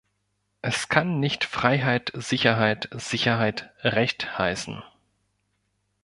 Es kann nicht Freiheit Sicherheit, Sicherheit Recht heißen.